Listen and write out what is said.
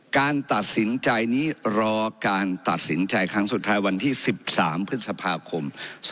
การตัดสินใจนี้รอการตัดสินใจครั้งสุดท้ายวันที่๑๓พฤษภาคม๒๕๖